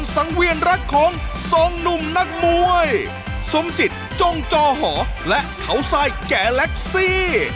สมจิตจ้องจอหอและเทาไซด์แกล็กซี่